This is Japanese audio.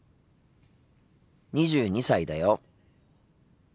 ２２歳だよ。